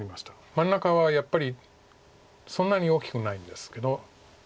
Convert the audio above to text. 真ん中はやっぱりそんなに大きくないんですけど。